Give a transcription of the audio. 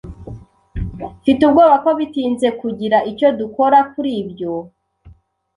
Mfite ubwoba ko bitinze kugira icyo dukora kuri ibyo.